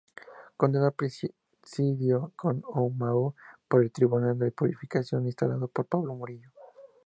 Condenado a presidio en Omoa por el Tribunal de Purificación instalado por Pablo Morillo.